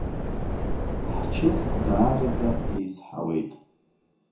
Ҳчыс даараӡа еизҳауеит.